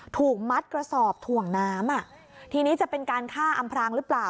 ถูกมัดกระสอบถ่วงน้ำอ่ะทีนี้จะเป็นการฆ่าอำพรางหรือเปล่า